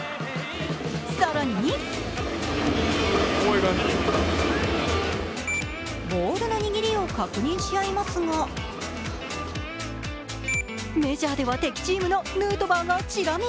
更にボールの握りを確認し合いますが、メジャーでは敵チームのヌートバーがちら見。